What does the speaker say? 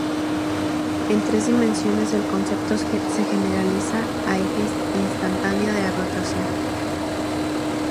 En tres dimensiones el concepto se generaliza a eje instantáneo de rotación.